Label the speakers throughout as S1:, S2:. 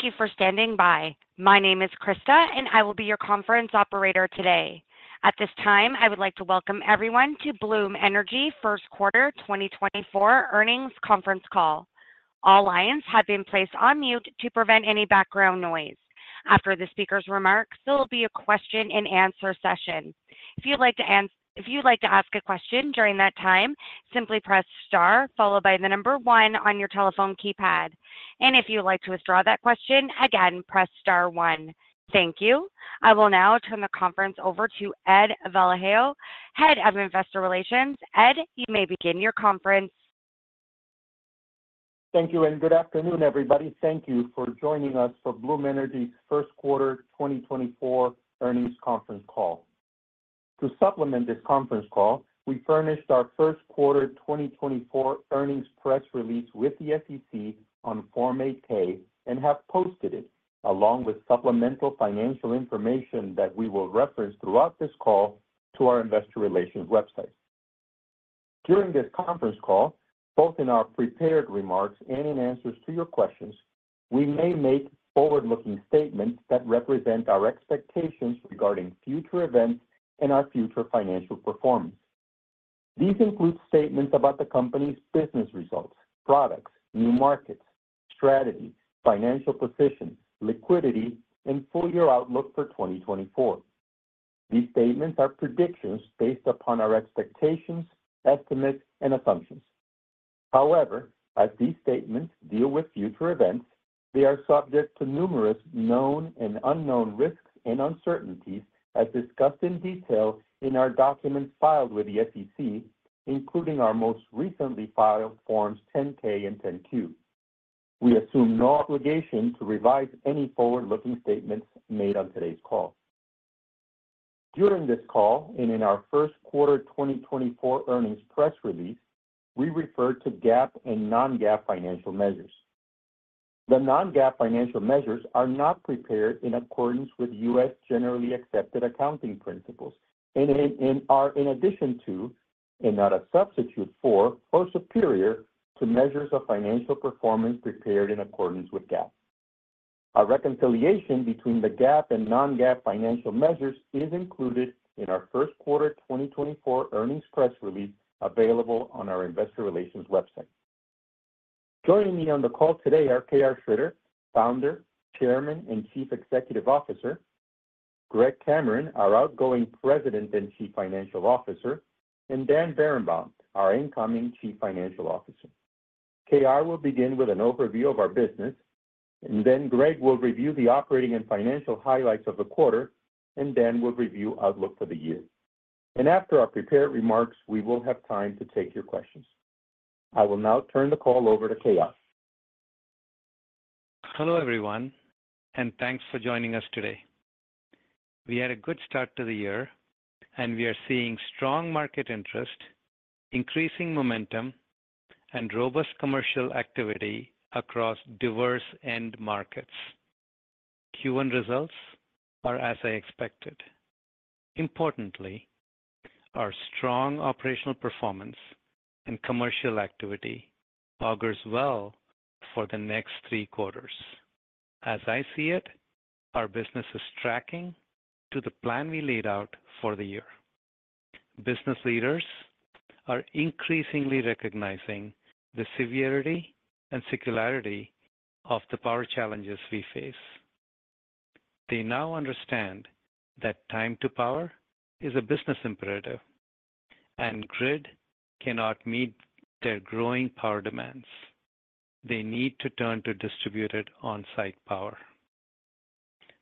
S1: Thank you for standing by. My name is Krista, and I will be your conference operator today. At this time, I would like to welcome everyone to Bloom Energy first quarter 2024 earnings conference call. All lines have been placed on mute to prevent any background noise. After the speaker's remarks, there will be a question-and-answer session. If you'd like to ask a question during that time, simply press star followed by the number 1 on your telephone keypad. And if you'd like to withdraw that question, again, press star 1. Thank you. I will now turn the conference over to Ed Vallejo, head of investor relations. Ed, you may begin your conference.
S2: Thank you, and good afternoon, everybody. Thank you for joining us for Bloom Energy's first quarter 2024 earnings conference call. To supplement this conference call, we furnished our first quarter 2024 earnings press release with the SEC on Form 8-K and have posted it, along with supplemental financial information that we will reference throughout this call to our investor relations website. During this conference call, both in our prepared remarks and in answers to your questions, we may make forward-looking statements that represent our expectations regarding future events and our future financial performance. These include statements about the company's business results, products, new markets, strategy, financial position, liquidity, and full-year outlook for 2024. These statements are predictions based upon our expectations, estimates, and assumptions. However, as these statements deal with future events, they are subject to numerous known and unknown risks and uncertainties as discussed in detail in our documents filed with the SEC, including our most recently filed Forms 10-K and 10-Q. We assume no obligation to revise any forward-looking statements made on today's call. During this call and in our first quarter 2024 earnings press release, we referred to GAAP and non-GAAP financial measures. The non-GAAP financial measures are not prepared in accordance with U.S. generally accepted accounting principles and are in addition to, and not a substitute for, or superior to measures of financial performance prepared in accordance with GAAP. A reconciliation between the GAAP and non-GAAP financial measures is included in our first quarter 2024 earnings press release available on our investor relations website. Joining me on the call today are K.R. Sridhar, founder, chairman, and Chief Executive Officer. Greg Cameron, our outgoing President and Chief Financial Officer. And Dan Berenbaum, our incoming Chief Financial Officer. K.R. will begin with an overview of our business, and then Greg will review the operating and financial highlights of the quarter, and Dan will review the outlook for the year. After our prepared remarks, we will have time to take your questions. I will now turn the call over to K.R.
S3: Hello, everyone, and thanks for joining us today. We had a good start to the year, and we are seeing strong market interest, increasing momentum, and robust commercial activity across diverse end markets. Q1 results are as I expected. Importantly, our strong operational performance and commercial activity augurs well for the next three quarters. As I see it, our business is tracking to the plan we laid out for the year. Business leaders are increasingly recognizing the severity and secularity of the power challenges we face. They now understand that time to power is a business imperative, and grid cannot meet their growing power demands. They need to turn to distributed on-site power.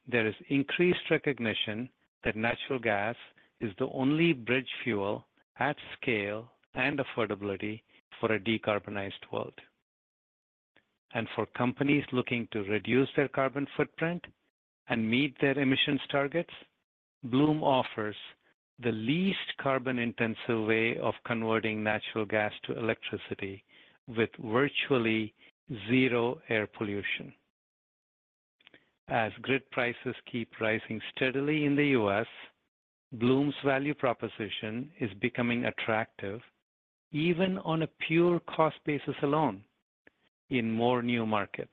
S3: There is increased recognition that natural gas is the only bridge fuel at scale and affordability for a decarbonized world. For companies looking to reduce their carbon footprint and meet their emissions targets, Bloom offers the least carbon-intensive way of converting natural gas to electricity with virtually zero air pollution. As grid prices keep rising steadily in the U.S., Bloom's value proposition is becoming attractive even on a pure cost basis alone in more new markets.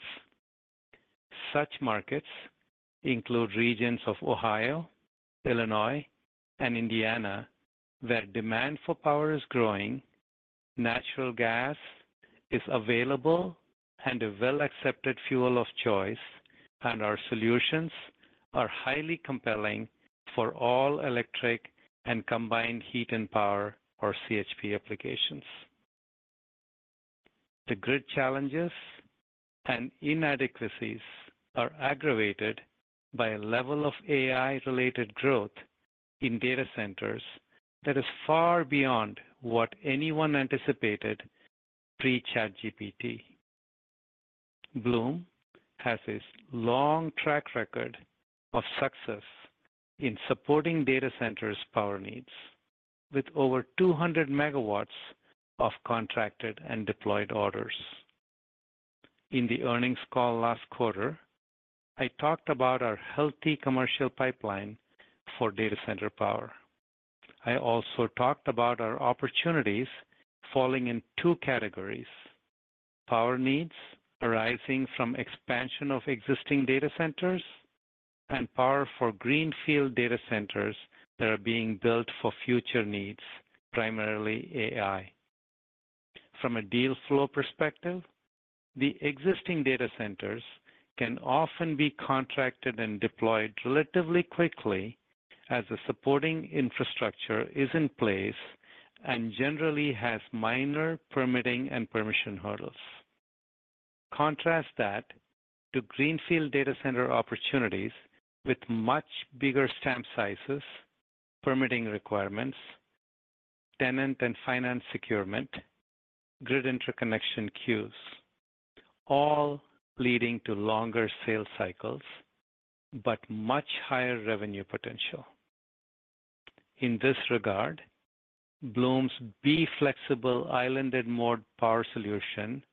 S3: Such markets include regions of Ohio, Illinois, and Indiana where demand for power is growing, natural gas is available, and a well-accepted fuel of choice, and our solutions are highly compelling for all electric and combined heat and power, or CHP, applications. The grid challenges and inadequacies are aggravated by a level of AI-related growth in data centers that is far beyond what anyone anticipated pre-ChatGPT. Bloom has a long track record of success in supporting data centers' power needs with over 200 MW of contracted and deployed orders. In the earnings call last quarter, I talked about our healthy commercial pipeline for data center power. I also talked about our opportunities falling in two categories: power needs arising from expansion of existing data centers and power for greenfield data centers that are being built for future needs, primarily AI. From a deal flow perspective, the existing data centers can often be contracted and deployed relatively quickly as the supporting infrastructure is in place and generally has minor permitting and permission hurdles. Contrast that to greenfield data center opportunities with much bigger stamp sizes, permitting requirements, tenant and finance securement, grid interconnection queues, all leading to longer sales cycles but much higher revenue potential. In this regard, Bloom's B-Flexible islanded mode power solution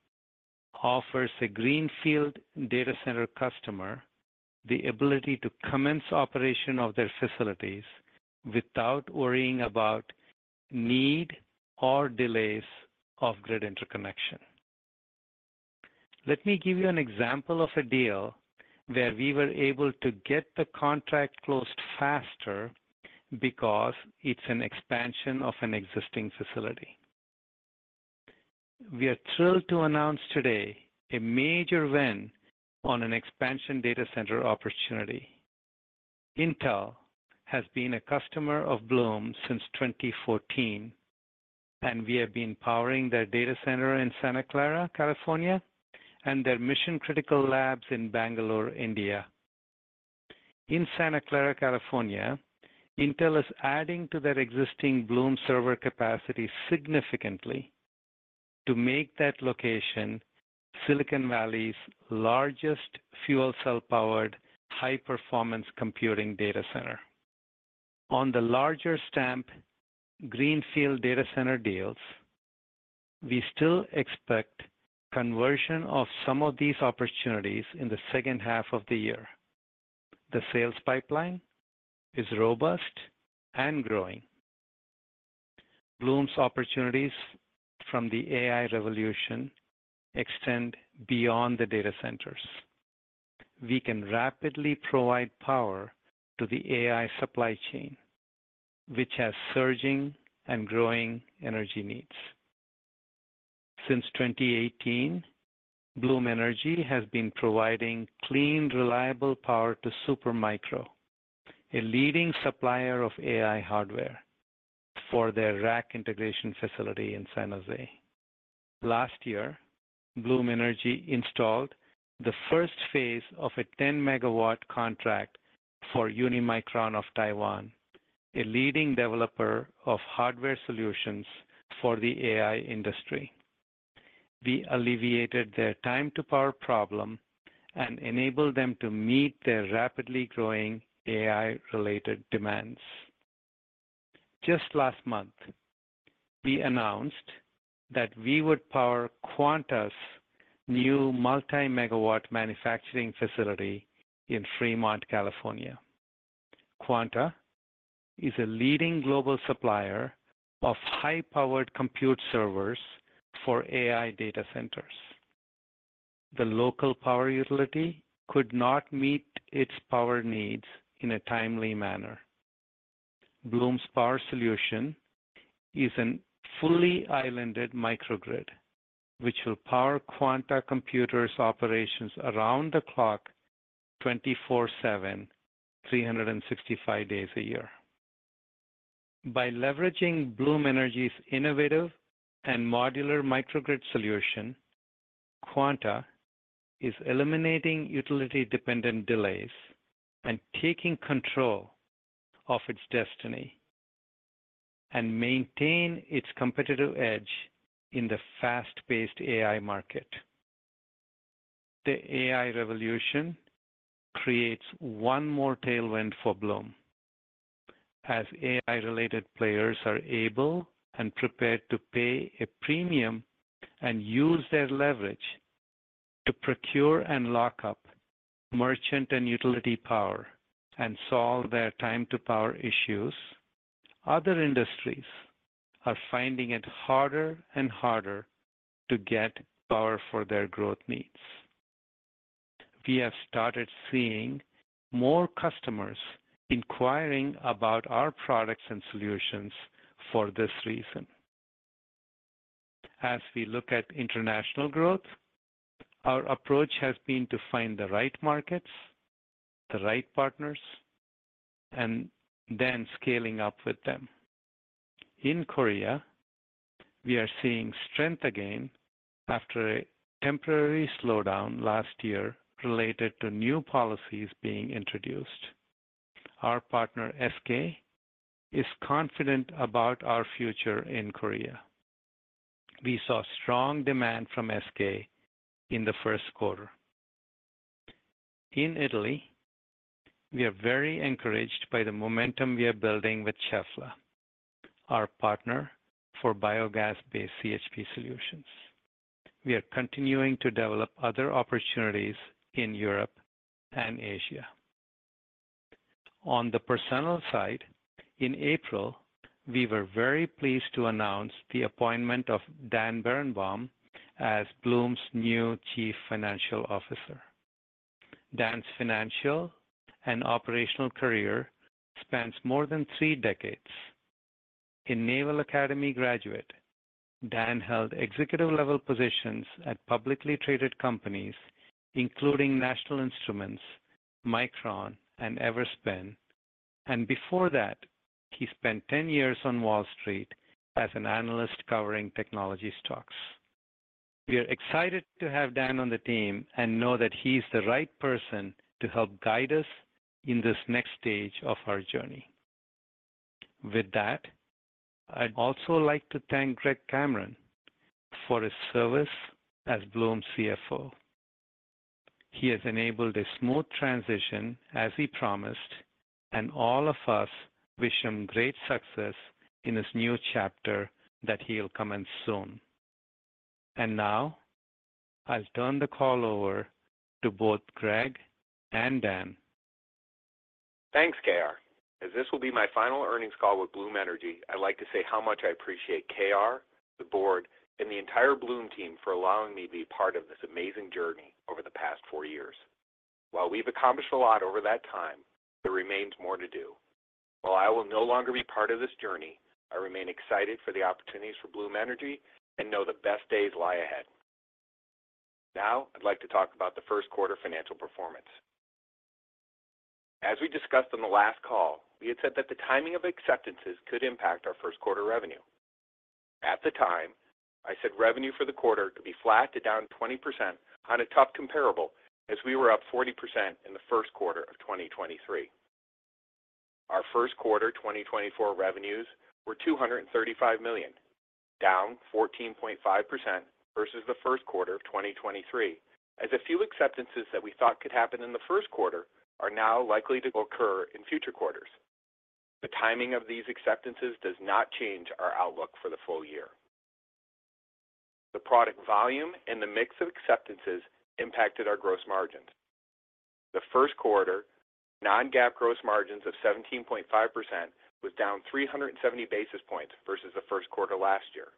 S3: offers a greenfield data center customer the ability to commence operation of their facilities without worrying about need or delays of grid interconnection. Let me give you an example of a deal where we were able to get the contract closed faster because it's an expansion of an existing facility. We are thrilled to announce today a major win on an expansion data center opportunity. Intel has been a customer of Bloom since 2014, and we have been powering their data center in Santa Clara, California, and their mission-critical labs in Bangalore, India. In Santa Clara, California, Intel is adding to their existing Bloom server capacity significantly to make that location Silicon Valley's largest fuel cell-powered high-performance computing data center. On the larger stamp greenfield data center deals, we still expect conversion of some of these opportunities in the second half of the year. The sales pipeline is robust and growing. Bloom's opportunities from the AI revolution extend beyond the data centers. We can rapidly provide power to the AI supply chain, which has surging and growing energy needs. Since 2018, Bloom Energy has been providing clean, reliable power to Supermicro, a leading supplier of AI hardware, for their rack integration facility in San Jose. Last year, Bloom Energy installed the first phase of a 10-megawatt contract for Unimicron of Taiwan, a leading developer of hardware solutions for the AI industry. We alleviated their time-to-power problem and enabled them to meet their rapidly growing AI-related demands. Just last month, we announced that we would power Quanta's new multi-megawatt manufacturing facility in Fremont, California. Quanta is a leading global supplier of high-powered compute servers for AI data centers. The local power utility could not meet its power needs in a timely manner. Bloom's power solution is a fully islanded microgrid, which will power Quanta Computer's operations around the clock 24/7, 365 days a year. By leveraging Bloom Energy's innovative and modular microgrid solution, Quanta is eliminating utility-dependent delays and taking control of its destiny and maintaining its competitive edge in the fast-paced AI market. The AI revolution creates one more tailwind for Bloom as AI-related players are able and prepared to pay a premium and use their leverage to procure and lock up merchant and utility power and solve their time-to-power issues. Other industries are finding it harder and harder to get power for their growth needs. We have started seeing more customers inquiring about our products and solutions for this reason. As we look at international growth, our approach has been to find the right markets, the right partners, and then scaling up with them. In Korea, we are seeing strength again after a temporary slowdown last year related to new policies being introduced. Our partner SK is confident about our future in Korea. We saw strong demand from SK in the first quarter. In Italy, we are very encouraged by the momentum we are building with Cefla, our partner for biogas-based CHP solutions. We are continuing to develop other opportunities in Europe and Asia. On the personal side, in April, we were very pleased to announce the appointment of Dan Berenbaum as Bloom's new chief financial officer. Dan's financial and operational career spans more than three decades. A Naval Academy graduate, Dan held executive-level positions at publicly traded companies including National Instruments, Micron, and Everspin, and before that, he spent 10 years on Wall Street as an analyst covering technology stocks. We are excited to have Dan on the team and know that he's the right person to help guide us in this next stage of our journey. With that, I'd also like to thank Greg Cameron for his service as Bloom's CFO. He has enabled a smooth transition as he promised, and all of us wish him great success in his new chapter that he'll commence soon. And now, I'll turn the call over to both Greg and Dan.
S4: Thanks, K.R. As this will be my final earnings call with Bloom Energy, I'd like to say how much I appreciate K.R., the board, and the entire Bloom team for allowing me to be part of this amazing journey over the past four years. While we've accomplished a lot over that time, there remains more to do. While I will no longer be part of this journey, I remain excited for the opportunities for Bloom Energy and know the best days lie ahead. Now, I'd like to talk about the first quarter financial performance. As we discussed on the last call, we had said that the timing of acceptances could impact our first quarter revenue. At the time, I said revenue for the quarter could be flat to down 20% on a tough comparable as we were up 40% in the first quarter of 2023. Our first quarter 2024 revenues were $235 million, down 14.5% versus the first quarter of 2023, as a few acceptances that we thought could happen in the first quarter are now likely to occur in future quarters. The timing of these acceptances does not change our outlook for the full year. The product volume and the mix of acceptances impacted our gross margins. The first quarter non-GAAP gross margins of 17.5% was down 370 basis points versus the first quarter last year.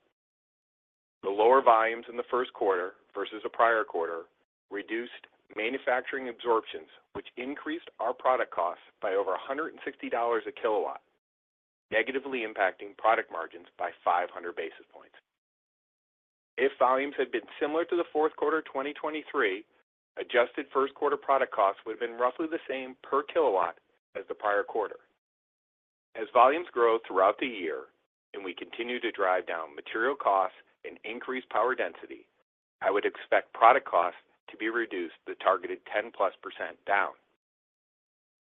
S4: The lower volumes in the first quarter versus a prior quarter reduced manufacturing absorptions, which increased our product costs by over $160 a kilowatt, negatively impacting product margins by 500 basis points. If volumes had been similar to the fourth quarter 2023, adjusted first quarter product costs would have been roughly the same per kilowatt as the prior quarter. As volumes grow throughout the year and we continue to drive down material costs and increase power density, I would expect product costs to be reduced the targeted 10%+ down.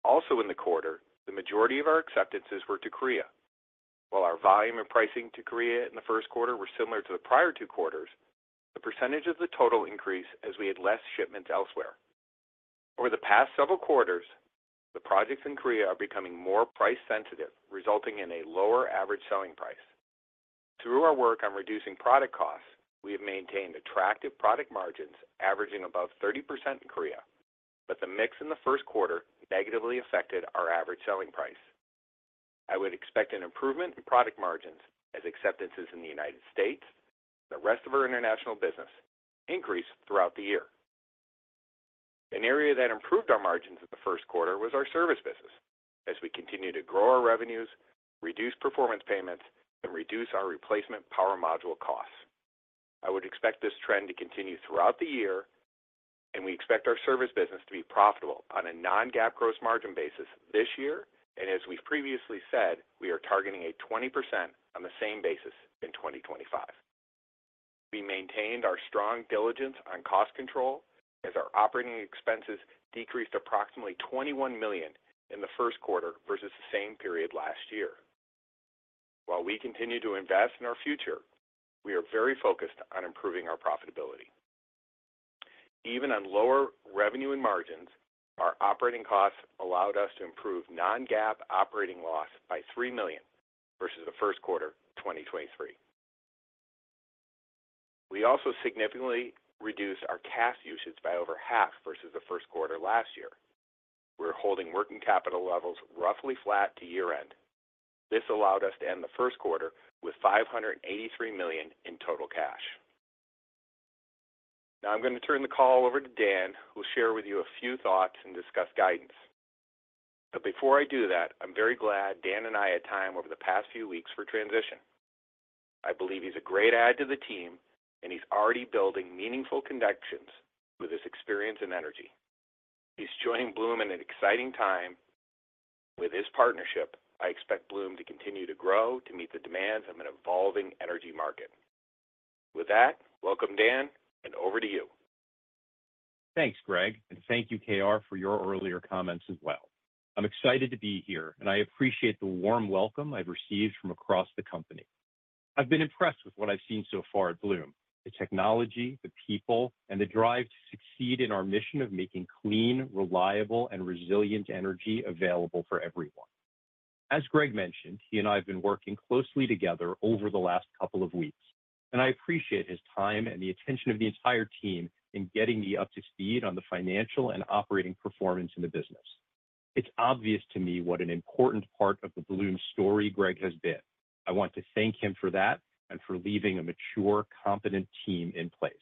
S4: Also, in the quarter, the majority of our acceptances were to Korea. While our volume and pricing to Korea in the first quarter were similar to the prior two quarters, the percentage of the total increased as we had less shipments elsewhere. Over the past several quarters, the projects in Korea are becoming more price-sensitive, resulting in a lower average selling price. Through our work on reducing product costs, we have maintained attractive product margins averaging above 30% in Korea, but the mix in the first quarter negatively affected our average selling price. I would expect an improvement in product margins as acceptances in the United States and the rest of our international business increase throughout the year. An area that improved our margins in the first quarter was our service business as we continue to grow our revenues, reduce performance payments, and reduce our replacement power module costs. I would expect this trend to continue throughout the year, and we expect our service business to be profitable on a non-GAAP gross margin basis this year and, as we've previously said, we are targeting 20% on the same basis in 2025. We maintained our strong diligence on cost control as our operating expenses decreased approximately $21 million in the first quarter versus the same period last year. While we continue to invest in our future, we are very focused on improving our profitability. Even on lower revenue and margins, our operating costs allowed us to improve non-GAAP operating loss by $3 million versus the first quarter 2023. We also significantly reduced our cash usage by over half versus the first quarter last year. We're holding working capital levels roughly flat to year-end. This allowed us to end the first quarter with $583 million in total cash. Now, I'm going to turn the call over to Dan, who'll share with you a few thoughts and discuss guidance. But before I do that, I'm very glad Dan and I had time over the past few weeks for transition. I believe he's a great add to the team, and he's already building meaningful connections with his experience in energy. He's joining Bloom at an exciting time. With his partnership, I expect Bloom to continue to grow to meet the demands of an evolving energy market. With that, welcome, Dan, and over to you.
S5: Thanks, Greg, and thank you, K.R., for your earlier comments as well. I'm excited to be here, and I appreciate the warm welcome I've received from across the company. I've been impressed with what I've seen so far at Bloom: the technology, the people, and the drive to succeed in our mission of making clean, reliable, and resilient energy available for everyone. As Greg mentioned, he and I have been working closely together over the last couple of weeks, and I appreciate his time and the attention of the entire team in getting me up to speed on the financial and operating performance in the business. It's obvious to me what an important part of the Bloom story Greg has been. I want to thank him for that and for leaving a mature, competent team in place.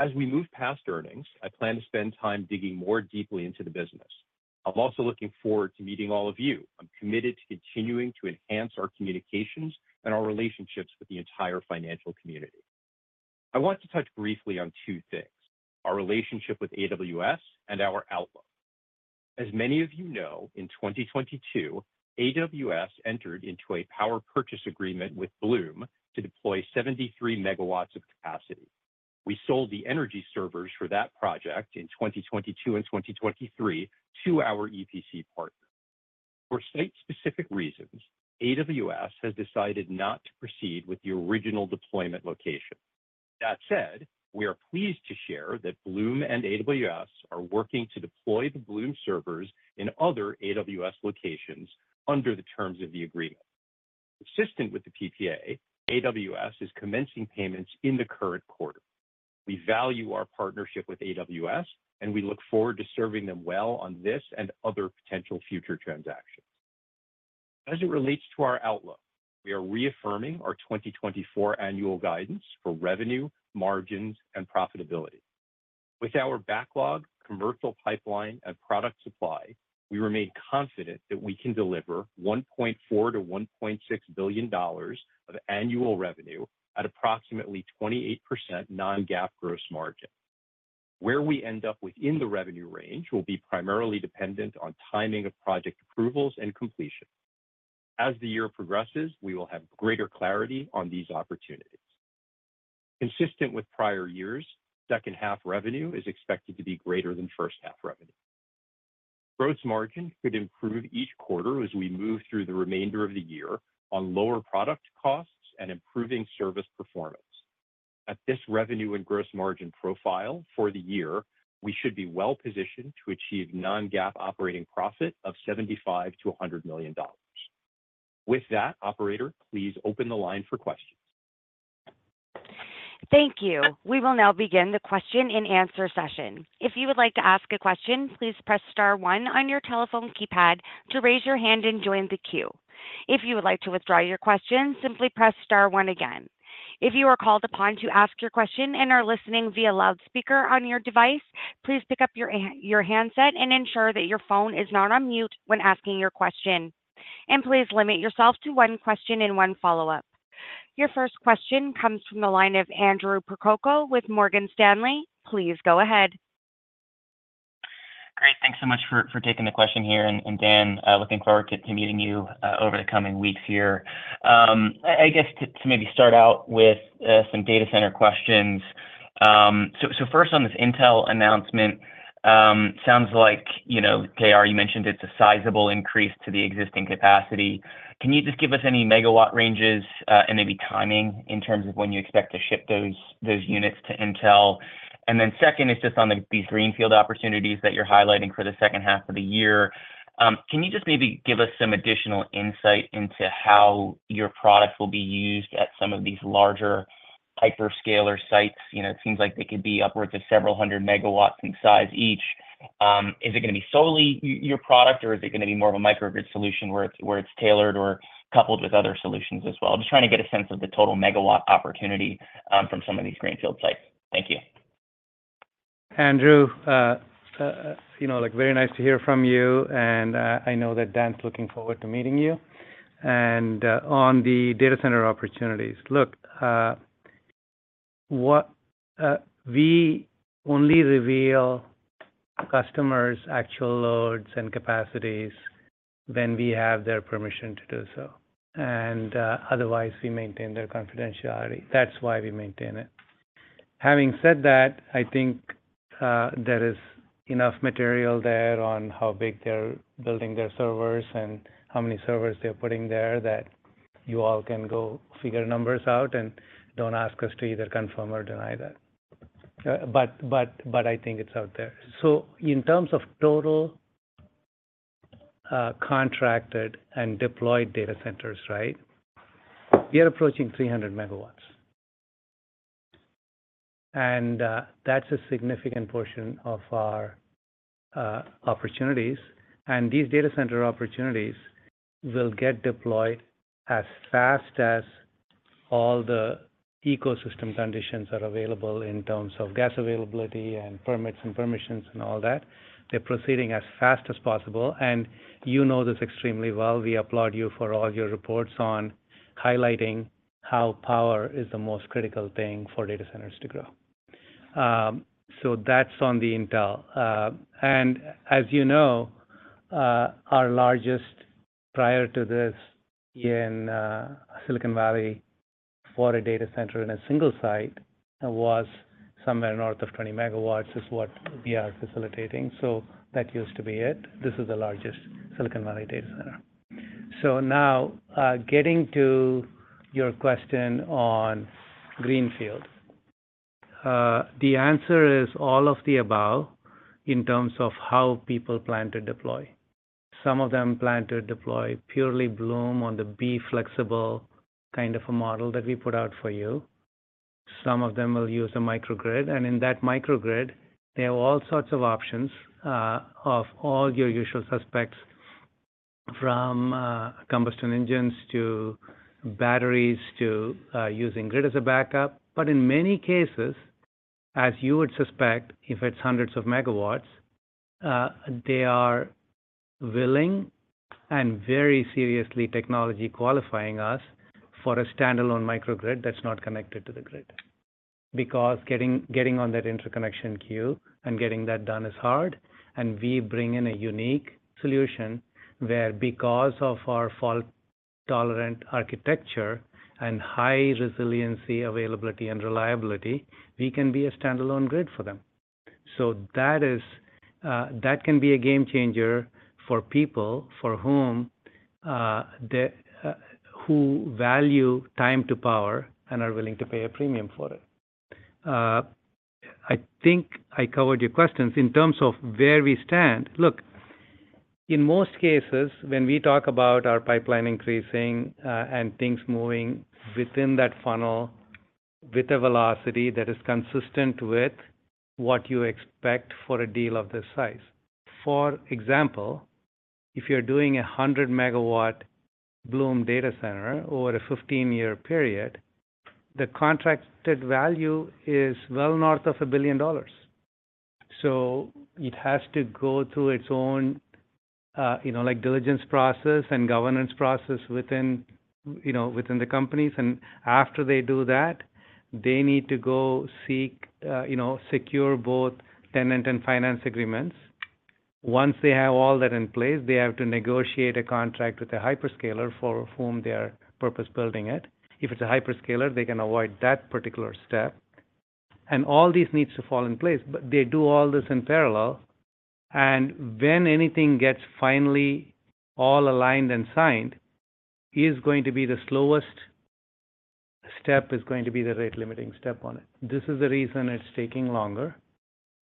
S5: As we move past earnings, I plan to spend time digging more deeply into the business. I'm also looking forward to meeting all of you. I'm committed to continuing to enhance our communications and our relationships with the entire financial community. I want to touch briefly on two things: our relationship with AWS and our outlook. As many of you know, in 2022, AWS entered into a power purchase agreement with Bloom to deploy 73 MW of capacity. We sold the energy servers for that project in 2022 and 2023 to our EPC partner. For site-specific reasons, AWS has decided not to proceed with the original deployment location. That said, we are pleased to share that Bloom and AWS are working to deploy the Bloom servers in other AWS locations under the terms of the agreement. Consistent with the PPA, AWS is commencing payments in the current quarter. We value our partnership with AWS, and we look forward to serving them well on this and other potential future transactions. As it relates to our outlook, we are reaffirming our 2024 annual guidance for revenue, margins, and profitability. With our backlog, commercial pipeline, and product supply, we remain confident that we can deliver $1.4-$1.6 billion of annual revenue at approximately 28% non-GAAP gross margin. Where we end up within the revenue range will be primarily dependent on timing of project approvals and completion. As the year progresses, we will have greater clarity on these opportunities. Consistent with prior years, second-half revenue is expected to be greater than first-half revenue. Growth margin could improve each quarter as we move through the remainder of the year on lower product costs and improving service performance. At this revenue and gross margin profile for the year, we should be well-positioned to achieve non-GAAP operating profit of $75 million-$100 million. With that, operator, please open the line for questions.
S1: Thank you. We will now begin the question-and-answer session. If you would like to ask a question, please press star 1 on your telephone keypad to raise your hand and join the queue. If you would like to withdraw your question, simply press star 1 again. If you are called upon to ask your question and are listening via loudspeaker on your device, please pick up your handset and ensure that your phone is not on mute when asking your question. And please limit yourself to one question and one follow-up. Your first question comes from the line of Andrew Percoco with Morgan Stanley. Please go ahead.
S6: Great. Thanks so much for taking the question here. And, Dan, looking forward to meeting you over the coming weeks here. I guess to maybe start out with some data center questions. So first, on this Intel announcement, sounds like, K.R., you mentioned it's a sizable increase to the existing capacity. Can you just give us any megawatt ranges and maybe timing in terms of when you expect to ship those units to Intel? And then second, it's just on these greenfield opportunities that you're highlighting for the second half of the year. Can you just maybe give us some additional insight into how your product will be used at some of these larger hyperscaler sites? It seems like they could be upwards of several hundred megawatts in size each. Is it going to be solely your product, or is it going to be more of a microgrid solution where it's tailored or coupled with other solutions as well? Just trying to get a sense of the total megawatt opportunity from some of these greenfield sites. Thank you.
S3: Andrew, very nice to hear from you, and I know that Dan's looking forward to meeting you. On the data center opportunities, look, we only reveal customers' actual loads and capacities when we have their permission to do so. Otherwise, we maintain their confidentiality. That's why we maintain it. Having said that, I think there is enough material there on how big they're building their servers and how many servers they're putting there that you all can go figure numbers out and don't ask us to either confirm or deny that. I think it's out there. In terms of total contracted and deployed data centers, right, we are approaching 300 megawatts. That's a significant portion of our opportunities. These data center opportunities will get deployed as fast as all the ecosystem conditions are available in terms of gas availability and permits and permissions and all that. They're proceeding as fast as possible. You know this extremely well. We applaud you for all your reports on highlighting how power is the most critical thing for data centers to grow. That's on the Intel. And as you know, our largest prior to this in Silicon Valley for a data center in a single site was somewhere north of 20 megawatts, is what we are facilitating. That used to be it. This is the largest Silicon Valley data center. Now, getting to your question on greenfield, the answer is all of the above in terms of how people plan to deploy. Some of them plan to deploy purely Bloom on the B-flexible kind of a model that we put out for you. Some of them will use a microgrid. In that microgrid, they have all sorts of options of all your usual suspects, from combustion engines to batteries to using grid as a backup. In many cases, as you would suspect, if it's hundreds of megawatts, they are willing and very seriously technology qualifying us for a standalone microgrid that's not connected to the grid. Because getting on that interconnection queue and getting that done is hard. We bring in a unique solution where, because of our fault-tolerant architecture and high resiliency, availability, and reliability, we can be a standalone grid for them. That can be a game-changer for people who value time to power and are willing to pay a premium for it. I think I covered your questions. In terms of where we stand, look, in most cases, when we talk about our pipeline increasing and things moving within that funnel with a velocity that is consistent with what you expect for a deal of this size. For example, if you're doing a 100-megawatt Bloom data center over a 15-year period, the contracted value is well north of $1 billion. So it has to go through its own diligence process and governance process within the companies. And after they do that, they need to go seek, secure both tenant and finance agreements. Once they have all that in place, they have to negotiate a contract with a hyperscaler for whom they are purpose-building it. If it's a hyperscaler, they can avoid that particular step. And all these needs to fall in place. But they do all this in parallel. When anything gets finally all aligned and signed, the slowest step is going to be the rate-limiting step on it. This is the reason it's taking longer.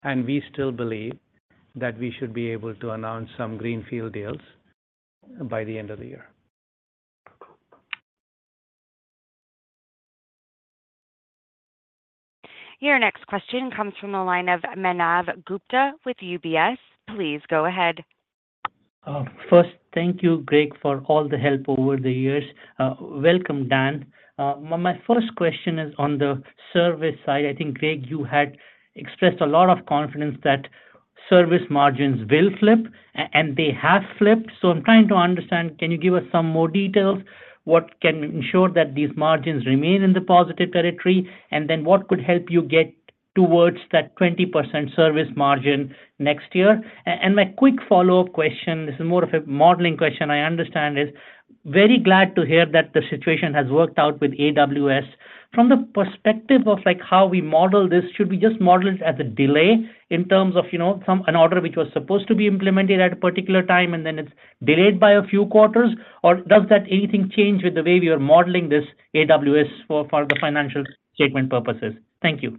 S3: We still believe that we should be able to announce some greenfield deals by the end of the year.
S1: Your next question comes from the line of Manav Gupta with UBS. Please go ahead.
S7: First, thank you, Greg, for all the help over the years. Welcome, Dan. My first question is on the service side. I think, Greg, you had expressed a lot of confidence that service margins will flip. They have flipped. So I'm trying to understand, can you give us some more details? What can ensure that these margins remain in the positive territory? And then what could help you get towards that 20% service margin next year? And my quick follow-up question (this is more of a modeling question, I understand) is very glad to hear that the situation has worked out with AWS. From the perspective of how we model this, should we just model it as a delay in terms of an order which was supposed to be implemented at a particular time, and then it's delayed by a few quarters? Or does that anything change with the way we are modeling this AWS for the financial statement purposes? Thank you.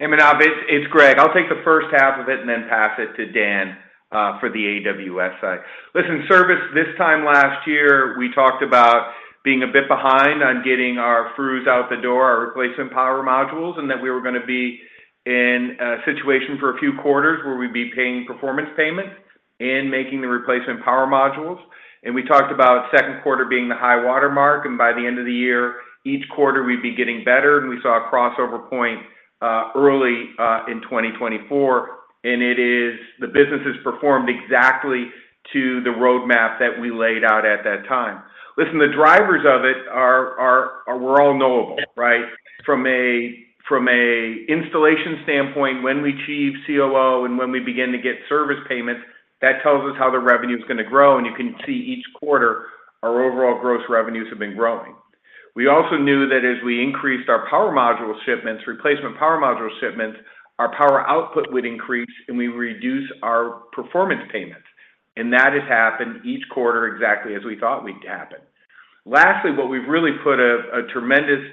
S4: Hey, Manav. It's Greg. I'll take the first half of it and then pass it to Dan for the AWS side. Listen, service, this time last year, we talked about being a bit behind on getting our FRUs out the door, our replacement power modules, and that we were going to be in a situation for a few quarters where we'd be paying performance payments and making the replacement power modules. We talked about second quarter being the high watermark. By the end of the year, each quarter, we'd be getting better. We saw a crossover point early in 2024. The business has performed exactly to the roadmap that we laid out at that time. Listen, the drivers of it were all knowable, right? From an installation standpoint, when we achieve COO and when we begin to get service payments, that tells us how the revenue is going to grow. And you can see each quarter, our overall gross revenues have been growing. We also knew that as we increased our power module shipments, replacement power module shipments, our power output would increase, and we reduce our performance payments. And that has happened each quarter exactly as we thought it would happen. Lastly, what we've really put a tremendous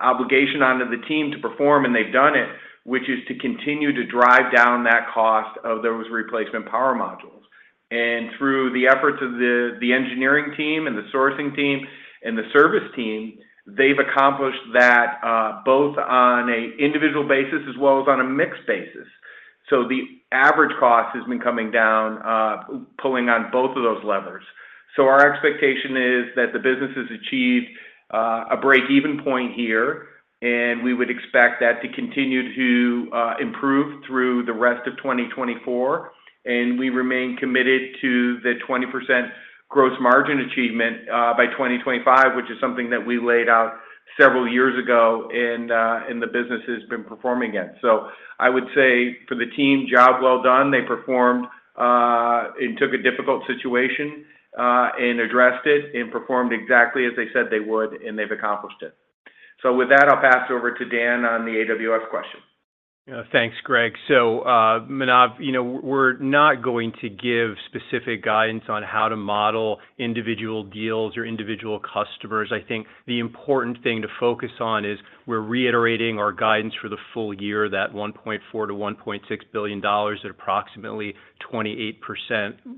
S4: obligation onto the team to perform, and they've done it, which is to continue to drive down that cost of those replacement power modules. And through the efforts of the engineering team and the sourcing team and the service team, they've accomplished that both on an individual basis as well as on a mixed basis. So the average cost has been coming down, pulling on both of those levers. So our expectation is that the business has achieved a break-even point here. And we would expect that to continue to improve through the rest of 2024. And we remain committed to the 20% gross margin achievement by 2025, which is something that we laid out several years ago and the business has been performing against. So I would say for the team, job well done. They performed and took a difficult situation and addressed it and performed exactly as they said they would, and they've accomplished it. So with that, I'll pass it over to Dan on the AWS question.
S5: Thanks, Greg. So, Manav, we're not going to give specific guidance on how to model individual deals or individual customers. I think the important thing to focus on is we're reiterating our guidance for the full year, that $1.4-$1.6 billion at approximately 28%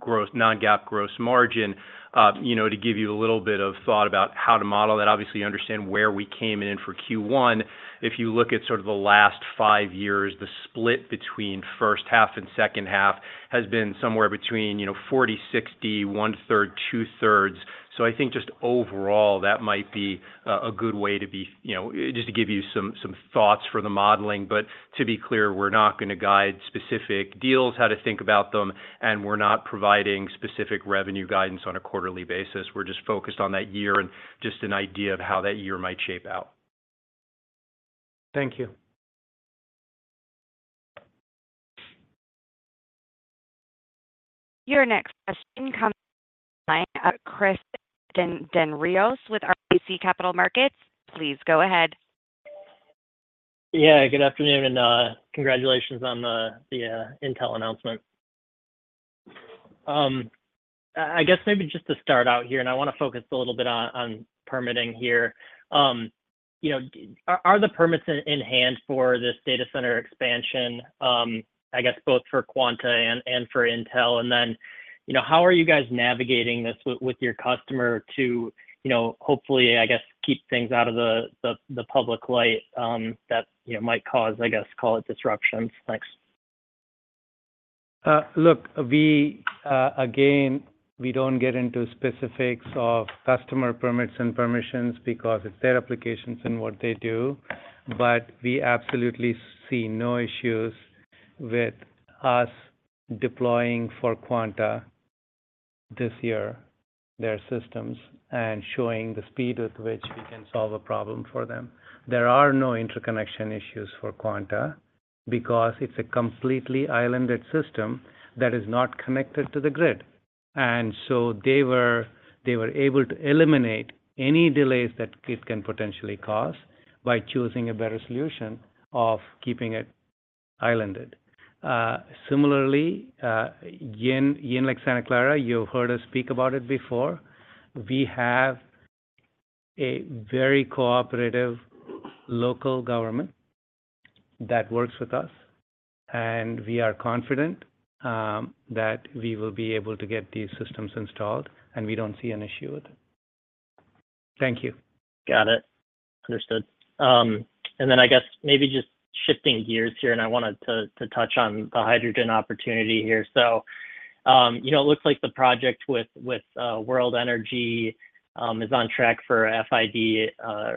S5: non-GAAP gross margin, to give you a little bit of thought about how to model that. Obviously, you understand where we came in for Q1. If you look at sort of the last five years, the split between first half and second half has been somewhere between 40/60, one-third, two-thirds. So I think just overall, that might be a good way to be just to give you some thoughts for the modeling. But to be clear, we're not going to guide specific deals, how to think about them. And we're not providing specific revenue guidance on a quarterly basis. We're just focused on that year and just an idea of how that year might shape out.
S3: Thank you.
S1: Your next question comes from the line. Chris Dendrinos with RBC Capital Markets. Please go ahead.
S8: Yeah. Good afternoon. Congratulations on the Intel announcement. I guess maybe just to start out here, and I want to focus a little bit on permitting here. Are the permits in hand for this data center expansion, I guess, both for Quanta and for Intel? And then how are you guys navigating this with your customer to hopefully, I guess, keep things out of the public light that might cause, I guess, call it, disruptions? Thanks.
S3: Look, again, we don't get into specifics of customer permits and permissions because it's their applications and what they do. But we absolutely see no issues with us deploying for Quanta this year, their systems, and showing the speed with which we can solve a problem for them. There are no interconnection issues for Quanta because it's a completely islanded system that is not connected to the grid. And so they were able to eliminate any delays that it can potentially cause by choosing a better solution of keeping it islanded. Similarly, in Santa Clara, you've heard us speak about it before. We have a very cooperative local government that works with us. And we are confident that we will be able to get these systems installed. And we don't see an issue with it. Thank you.
S8: Got it. Understood. I guess maybe just shifting gears here. I wanted to touch on the hydrogen opportunity here. So it looks like the project with World Energy is on track for FID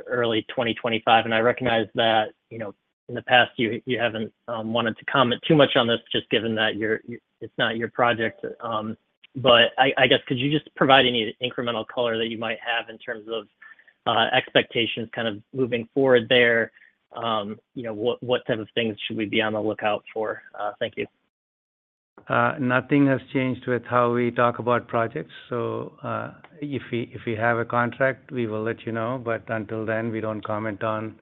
S8: early 2025. I recognize that in the past, you haven't wanted to comment too much on this, just given that it's not your project. But I guess, could you just provide any incremental color that you might have in terms of expectations kind of moving forward there? What type of things should we be on the lookout for? Thank you.
S3: Nothing has changed with how we talk about projects. If we have a contract, we will let you know. Until then, we don't comment on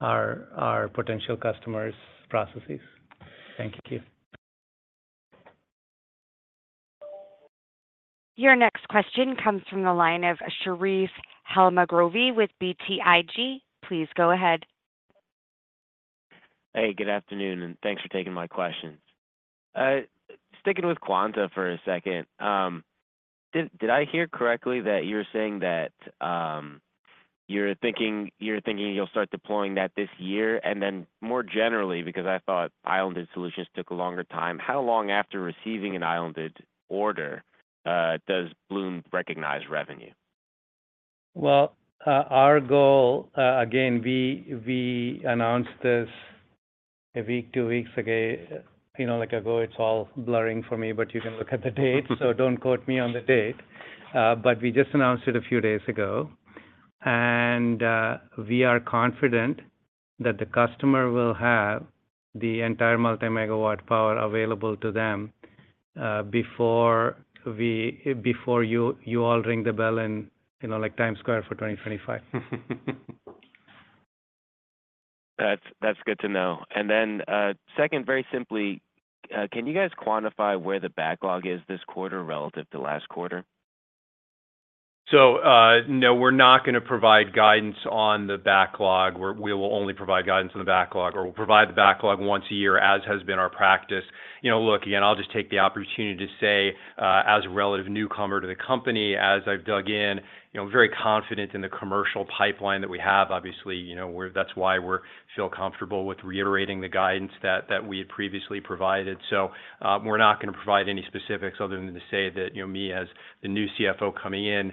S3: our potential customers' processes. Thank you.
S1: Your next question comes from the line of Sharif Elmaghrabi with BTIG. Please go ahead.
S9: Hey. Good afternoon. And thanks for taking my questions. Sticking with Quanta for a second, did I hear correctly that you were saying that you're thinking you'll start deploying that this year? And then more generally, because I thought islanded solutions took a longer time, how long after receiving an islanded order does Bloom recognize revenue?
S3: Well, our goal, again, we announced this a week, two weeks ago. It's all blurring for me. But you can look at the dates. So don't quote me on the date. But we just announced it a few days ago. And we are confident that the customer will have the entire multi-megawatt power available to them before you all ring the bell in Times Square for 2025.
S8: That's good to know. Then second, very simply, can you guys quantify where the backlog is this quarter relative to last quarter?
S5: So no, we're not going to provide guidance on the backlog. We will only provide guidance on the backlog. Or we'll provide the backlog once a year, as has been our practice. Look, again, I'll just take the opportunity to say, as a relative newcomer to the company, as I've dug in, very confident in the commercial pipeline that we have. Obviously, that's why we feel comfortable with reiterating the guidance that we had previously provided. So we're not going to provide any specifics other than to say that me, as the new CFO coming in,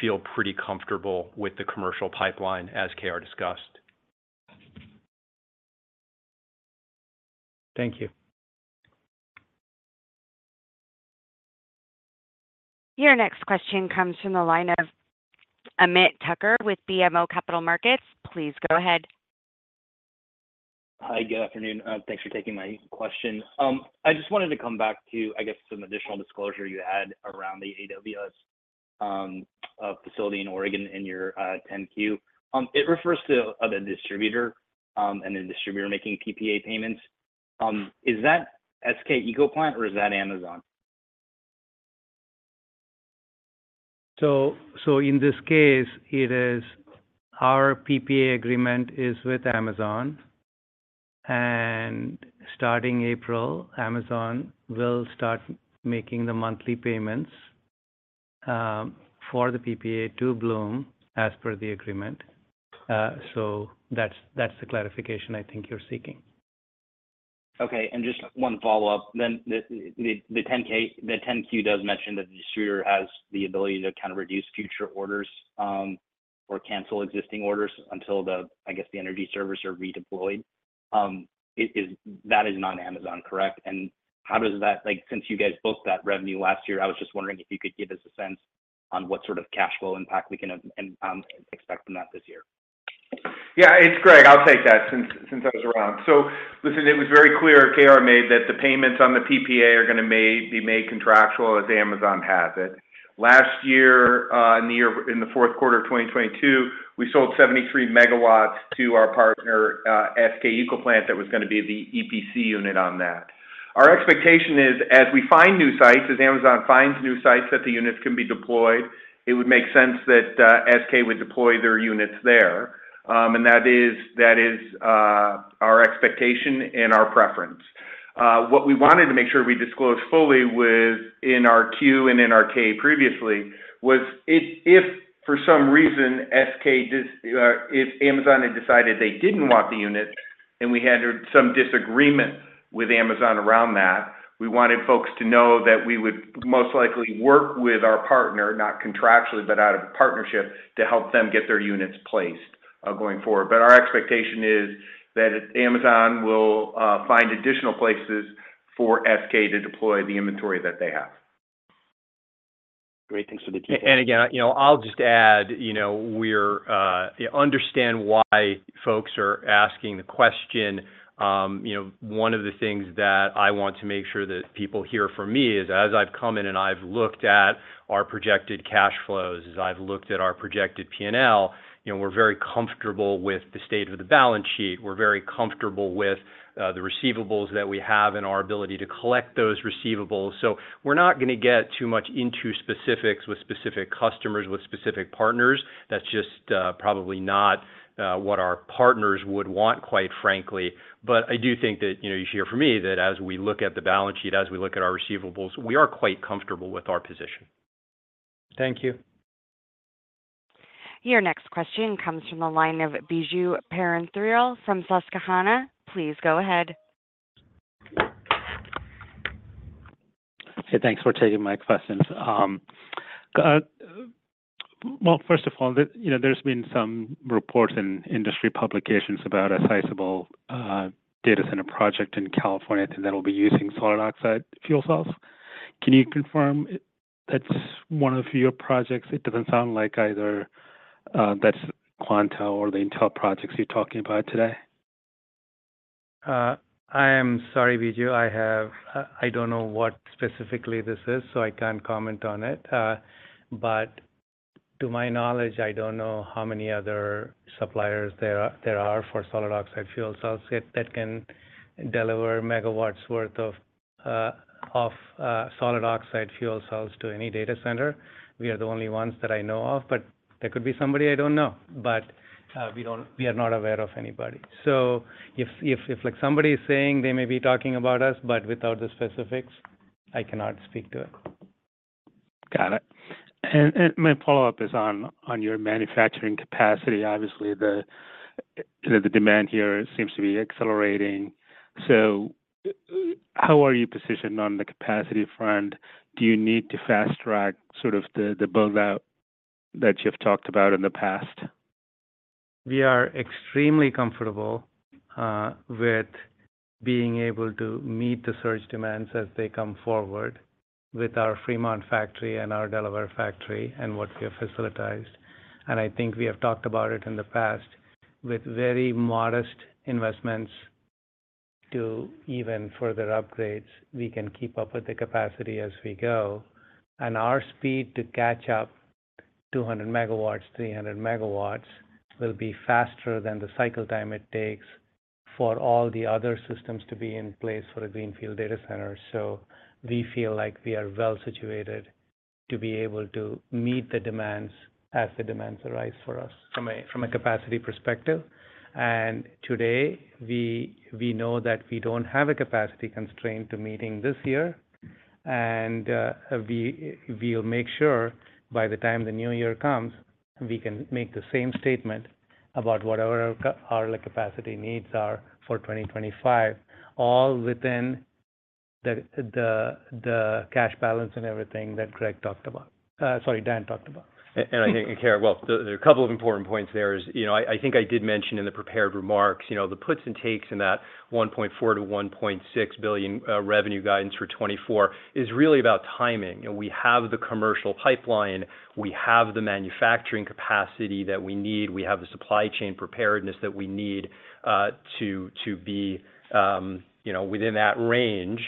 S5: feel pretty comfortable with the commercial pipeline, as K.R. discussed.
S8: Thank you.
S1: Your next question comes from the line of Ameet Thakkar with BMO Capital Markets. Please go ahead.
S8: Hi. Good afternoon. Thanks for taking my question. I just wanted to come back to, I guess, some additional disclosure you had around the AWS facility in Oregon in your 10-Q. It refers to a distributor and a distributor making PPA payments. Is that SK Ecoplant, or is that Amazon?
S3: In this case, our PPA agreement is with Amazon. Starting April, Amazon will start making the monthly payments for the PPA to Bloom as per the agreement. That's the clarification I think you're seeking.
S8: Okay. And just one follow-up. Then the 10-Q does mention that the distributor has the ability to kind of reduce future orders or cancel existing orders until, I guess, the energy services are redeployed. That is non-Amazon, correct? And how does that, since you guys booked that revenue last year, I was just wondering if you could give us a sense on what sort of cash flow impact we can expect from that this year.
S4: Yeah. It's Greg. I'll take that since I was around. So listen, it was very clear K.R. made that the payments on the PPA are going to be made contractual as Amazon has it. Last year, in the fourth quarter of 2022, we sold 73 MW to our partner SK Ecoplant that was going to be the EPC unit on that. Our expectation is, as we find new sites, as Amazon finds new sites that the units can be deployed, it would make sense that SK would deploy their units there. That is our expectation and our preference. What we wanted to make sure we disclosed fully in our Q and in our K previously was if, for some reason, SK, if Amazon had decided they didn't want the unit and we had some disagreement with Amazon around that, we wanted folks to know that we would most likely work with our partner, not contractually but out of partnership, to help them get their units placed going forward. But our expectation is that Amazon will find additional places for SK to deploy the inventory that they have.
S8: Great. Thanks for the details.
S5: Again, I'll just add, we understand why folks are asking the question. One of the things that I want to make sure that people hear from me is, as I've come in and I've looked at our projected cash flows, as I've looked at our projected P&L, we're very comfortable with the state of the balance sheet. We're very comfortable with the receivables that we have and our ability to collect those receivables. So we're not going to get too much into specifics with specific customers, with specific partners. That's just probably not what our partners would want, quite frankly. But I do think that you hear from me that as we look at the balance sheet, as we look at our receivables, we are quite comfortable with our position.
S8: Thank you.
S1: Your next question comes from the line of Biju Perincheril from Susquehanna. Please go ahead.
S8: Hey. Thanks for taking my questions. Well, first of all, there's been some reports in industry publications about a sizable data center project in California that will be using solid oxide fuel cells. Can you confirm that's one of your projects? It doesn't sound like either that's Quanta or the Intel projects you're talking about today.
S5: I am sorry, Bijou. I don't know what specifically this is. So I can't comment on it. But to my knowledge, I don't know how many other suppliers there are for solid oxide fuel cells that can deliver megawatts' worth of solid oxide fuel cells to any data center. We are the only ones that I know of. But there could be somebody I don't know. But we are not aware of anybody. So if somebody is saying they may be talking about us, but without the specifics, I cannot speak to it.
S8: Got it. And my follow-up is on your manufacturing capacity. Obviously, the demand here seems to be accelerating. So how are you positioned on the capacity front? Do you need to fast-track sort of the buildout that you've talked about in the past?
S3: We are extremely comfortable with being able to meet the surge demands as they come forward with our Fremont factory and our Delaware factory and what we have facilitated. I think we have talked about it in the past. With very modest investments to even further upgrades, we can keep up with the capacity as we go. Our speed to catch up 200 megawatts, 300 megawatts will be faster than the cycle time it takes for all the other systems to be in place for a greenfield data center. We feel like we are well situated to be able to meet the demands as the demands arise for us from a capacity perspective. Today, we know that we don't have a capacity constraint to meeting this year. We'll make sure, by the time the new year comes, we can make the same statement about whatever our capacity needs are for 2025, all within the cash balance and everything that Greg talked about sorry, Dan talked about.
S5: And I think, K.R., well, there are a couple of important points there. I think I did mention in the prepared remarks the puts and takes in that $1.4 billion-$1.6 billion revenue guidance for 2024 is really about timing. We have the commercial pipeline. We have the manufacturing capacity that we need. We have the supply chain preparedness that we need to be within that range.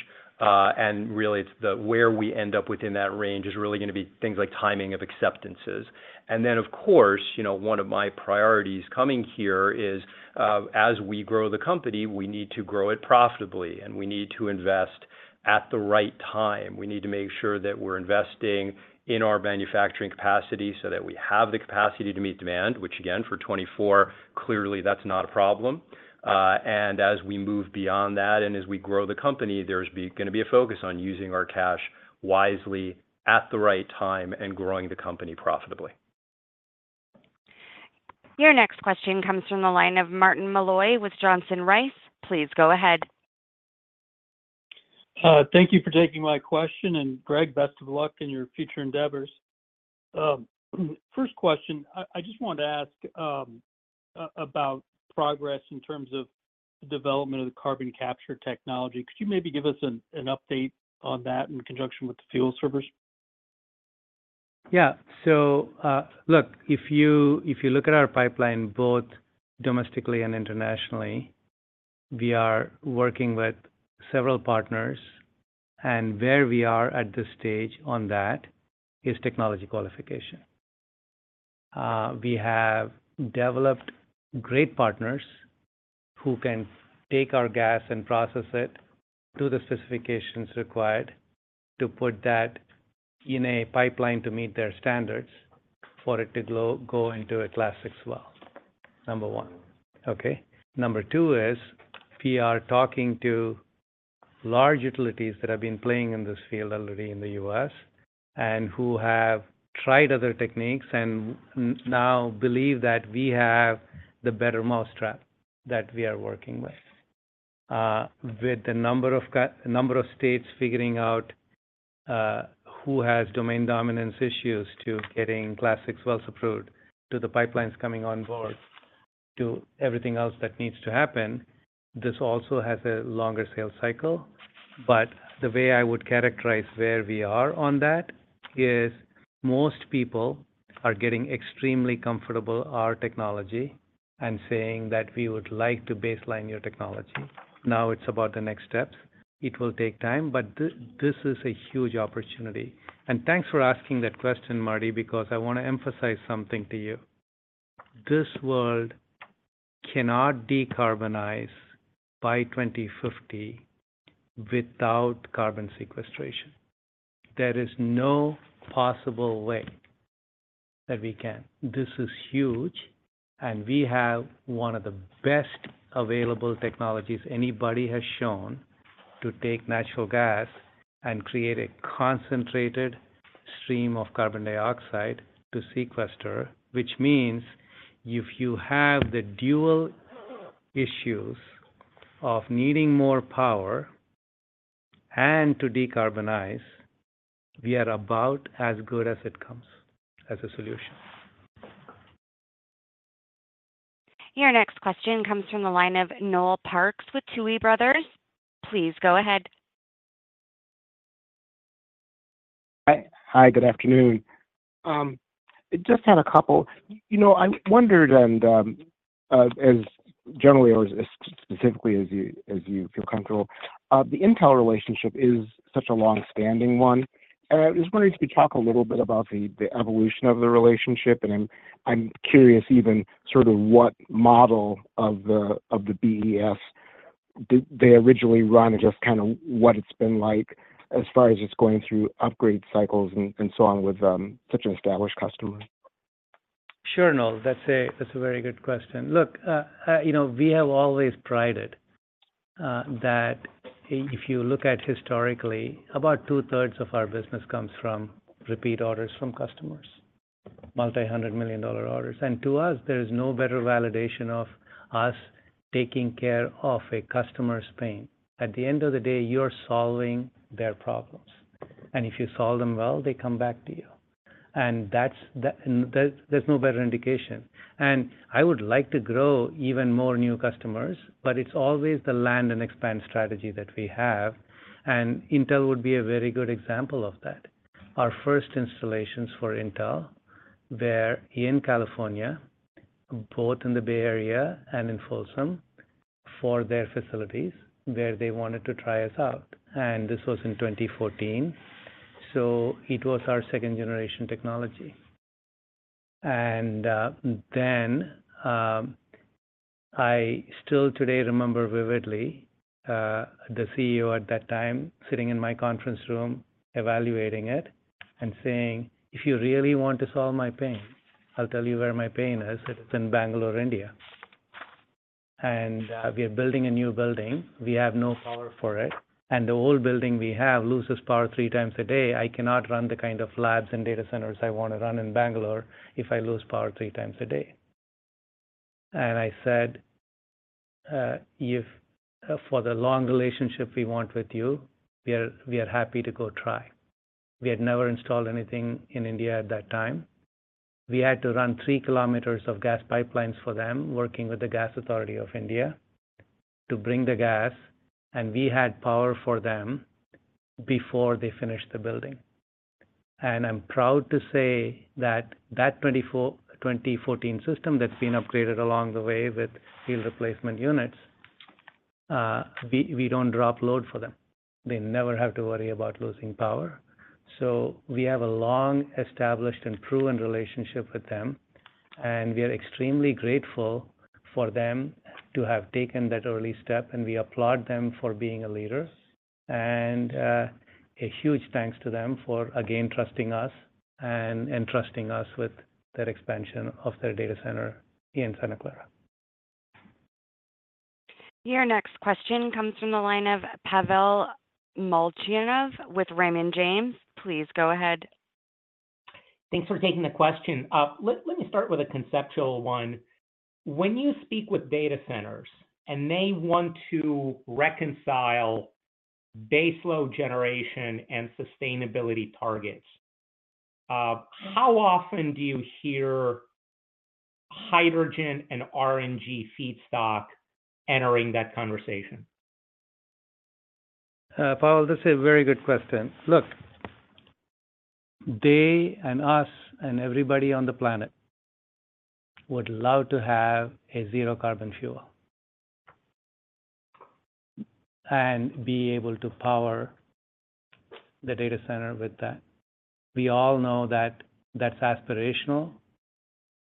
S5: And really, where we end up within that range is really going to be things like timing of acceptances. And then, of course, one of my priorities coming here is, as we grow the company, we need to grow it profitably. And we need to invest at the right time. We need to make sure that we're investing in our manufacturing capacity so that we have the capacity to meet demand, which, again, for 2024, clearly, that's not a problem. As we move beyond that and as we grow the company, there's going to be a focus on using our cash wisely at the right time and growing the company profitably.
S1: Your next question comes from the line of Martin Malloy with Johnson Rice. Please go ahead.
S10: Thank you for taking my question. And Greg, best of luck in your future endeavors. First question, I just wanted to ask about progress in terms of the development of the carbon capture technology. Could you maybe give us an update on that in conjunction with the fuel services?
S3: Yeah. So look, if you look at our pipeline, both domestically and internationally, we are working with several partners. And where we are at this stage on that is technology qualification. We have developed great partners who can take our gas and process it to the specifications required to put that in a pipeline to meet their standards for it to go into a Class VI well, number one. Okay? Number two is, we are talking to large utilities that have been playing in this field already in the U.S. and who have tried other techniques and now believe that we have the better mousetrap that we are working with, with the number of states figuring out who has domain dominance issues to getting Class VI wells approved to the pipelines coming on board, to everything else that needs to happen. This also has a longer sales cycle. But the way I would characterize where we are on that is, most people are getting extremely comfortable with our technology and saying that we would like to baseline your technology. Now it's about the next steps. It will take time. But this is a huge opportunity. And thanks for asking that question, Marty, because I want to emphasize something to you. This world cannot decarbonize by 2050 without carbon sequestration. There is no possible way that we can. This is huge. And we have one of the best available technologies anybody has shown to take natural gas and create a concentrated stream of carbon dioxide to sequester, which means if you have the dual issues of needing more power and to decarbonize, we are about as good as it comes as a solution.
S1: Your next question comes from the line of Noel Parks with Tuohy Brothers. Please go ahead.
S11: Hi. Good afternoon. I just had a couple. I wondered, and as generally or as specifically as you feel comfortable, the Intel relationship is such a longstanding one. I was wondering if you could talk a little bit about the evolution of the relationship. I'm curious even sort of what model of the BES did they originally run and just kind of what it's been like as far as just going through upgrade cycles and so on with such an established customer.
S3: Sure, Noel. That's a very good question. Look, we have always prided that if you look at historically, about two-thirds of our business comes from repeat orders from customers, multi-hundred-million-dollar orders. To us, there is no better validation of us taking care of a customer's pain. At the end of the day, you're solving their problems. If you solve them well, they come back to you. There's no better indication. I would like to grow even more new customers. But it's always the land and expand strategy that we have. Intel would be a very good example of that. Our first installations for Intel were in California, both in the Bay Area and in Folsom for their facilities where they wanted to try us out. This was in 2014. So it was our second-generation technology. Then I still today remember vividly the CEO at that time sitting in my conference room evaluating it and saying, "If you really want to solve my pain, I'll tell you where my pain is. It is in Bangalore, India. And we are building a new building. We have no power for it. And the old building we have loses power 3 times a day. I cannot run the kind of labs and data centers I want to run in Bangalore if I lose power 3 times a day." And I said, "For the long relationship we want with you, we are happy to go try." We had never installed anything in India at that time. We had to run 3 kilometers of gas pipelines for them, working with the Gas Authority of India, to bring the gas. And we had power for them before they finished the building. And I'm proud to say that that 2014 system that's been upgraded along the way with field replacement units, we don't drop load for them. They never have to worry about losing power. So we have a long-established and proven relationship with them. And we are extremely grateful for them to have taken that early step. And we applaud them for being a leader. And a huge thanks to them for, again, trusting us and entrusting us with their expansion of their data center here in Santa Clara.
S1: Your next question comes from the line of Pavel Molchanov with Raymond James. Please go ahead.
S12: Thanks for taking the question. Let me start with a conceptual one. When you speak with data centers and they want to reconcile baseload generation and sustainability targets, how often do you hear hydrogen and RNG feedstock entering that conversation?
S3: Pavel, this is a very good question. Look, they and us and everybody on the planet would love to have a zero-carbon fuel and be able to power the data center with that. We all know that that's aspirational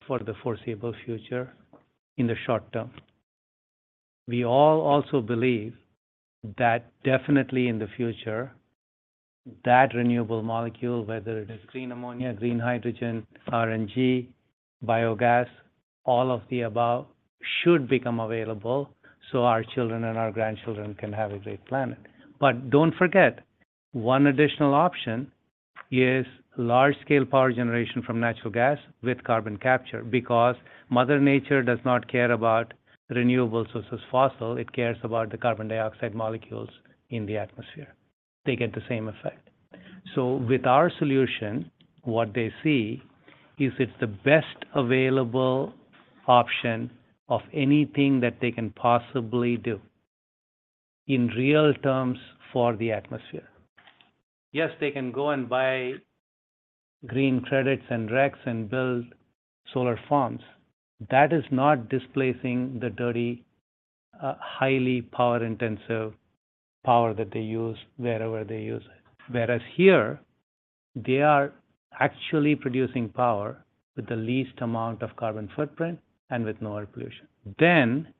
S3: for the foreseeable future in the short term. We all also believe that, definitely, in the future, that renewable molecule, whether it is green ammonia, green hydrogen, RNG, biogas, all of the above should become available so our children and our grandchildren can have a great planet. But don't forget, one additional option is large-scale power generation from natural gas with carbon capture because Mother Nature does not care about renewables such as fossil. It cares about the carbon dioxide molecules in the atmosphere. They get the same effect. So with our solution, what they see is it's the best available option of anything that they can possibly do in real terms for the atmosphere. Yes, they can go and buy green credits and RECs and build solar farms. That is not displacing the dirty, highly power-intensive power that they use wherever they use it. Whereas here, they are actually producing power with the least amount of carbon footprint and with no air pollution. Then,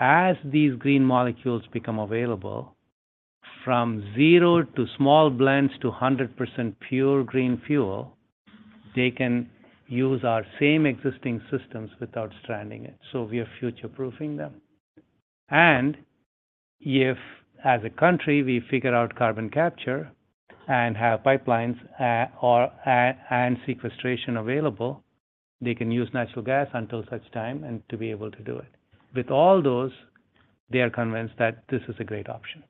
S3: as these green molecules become available from zero to small blends to 100% pure green fuel, they can use our same existing systems without stranding it. So we are future-proofing them. And if, as a country, we figure out carbon capture and have pipelines and sequestration available, they can use natural gas until such time and to be able to do it. With all those, they are convinced that this is a great option.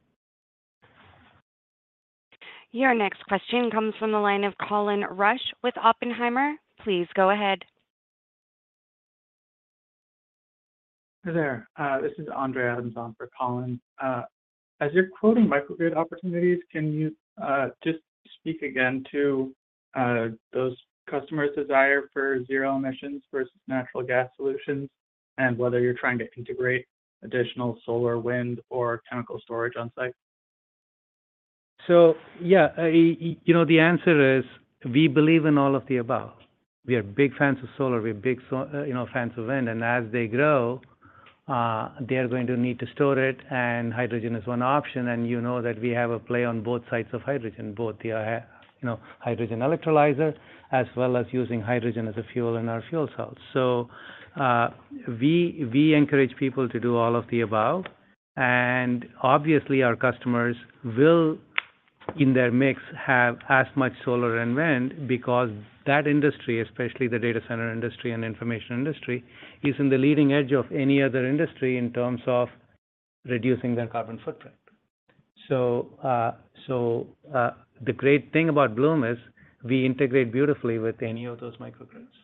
S1: Your next question comes from the line of Colin Rusch with Oppenheimer. Please go ahead.
S13: Hey there. This is Andre Adamson for Colin. As you're quoting microgrid opportunities, can you just speak again to those customers' desire for zero emissions versus natural gas solutions and whether you're trying to integrate additional solar, wind, or chemical storage on-site?
S3: So yeah, the answer is, we believe in all of the above. We are big fans of solar. We are big fans of wind. And as they grow, they are going to need to store it. And hydrogen is one option. And you know that we have a play on both sides of hydrogen, both the hydrogen electrolyzer as well as using hydrogen as a fuel in our fuel cells. So we encourage people to do all of the above. And obviously, our customers will, in their mix, have as much solar and wind because that industry, especially the data center industry and information industry, is in the leading edge of any other industry in terms of reducing their carbon footprint. So the great thing about Bloom is we integrate beautifully with any of those microgrids.